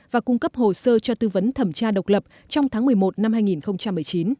và cung cấp hồ sơ cho tư vấn thẩm tra độc lập trong tháng một mươi một năm hai nghìn một mươi chín